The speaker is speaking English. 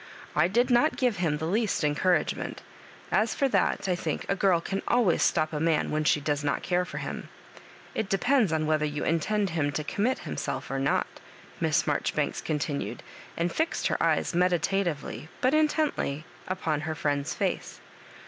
I did not give him the least encou ragement As for that, I think, a girl can always stop a man when she does not care for him. It depends on whether you intend him to commit himself or not," Miss Marjoribanks continued, and fixed her eyes meditatirely, but intently, upon her friend's face.